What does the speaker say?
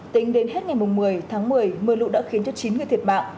tính đến hết ngày một mươi tháng một mươi mưa lũ đã khiến cho chín người thiệt mạng